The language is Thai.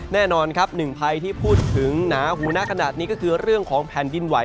แน่นอนครับหนึ่งภัยที่พูดถึงหนาหูนะขนาดนี้ก็คือเรื่องของแผ่นดินไหว